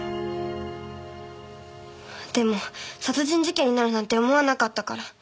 でも殺人事件になるなんて思わなかったから。